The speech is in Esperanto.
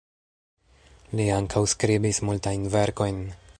Li ankaŭ skribis multajn verkojn.